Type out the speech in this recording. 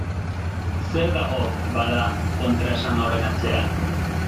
Zer dago, bada, kontraesan horren atzean?